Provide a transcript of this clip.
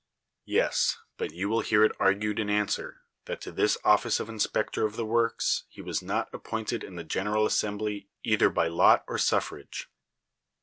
Yes; but you will hear it argued in answer, that to this office of inspector of the works he was not appointed in the general assembly either by lot or suffrage.